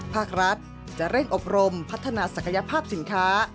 ภาครัฐจะเร่งอบรมพัฒนาศักยภาพสินค้า